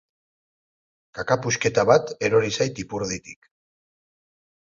Kaka puxketa bat erori zait ipurditik.